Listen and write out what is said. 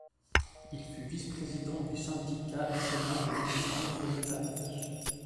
Il fut vice-président du syndicat national de l’édition phonographique.